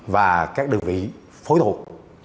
và các đơn vị phối thuộc